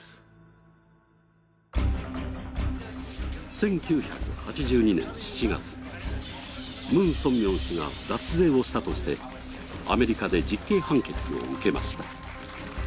１９８２年７月、ムン・ソンミョン氏が脱税をしたとしてアメリカで実刑判決を受けました。